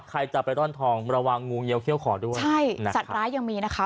ใครจะไปร่อนทองระวังงูเยียเขี้ยขอด้วยใช่นะสัตว์ร้ายยังมีนะคะ